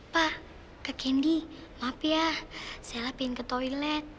pak kak kendi maaf ya sela pengen ke toilet